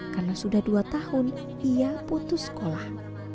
karena sudah dua tahun ia putus sekolah